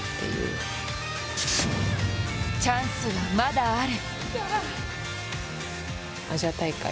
チャンスはまだある。